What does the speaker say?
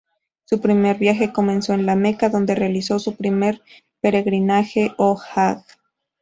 Su primer viaje comenzó en La Meca, donde realizó su primer peregrinaje o Hajj.